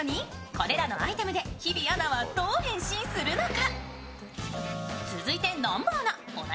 これらのアイテムで日比アナはどう変身するのか。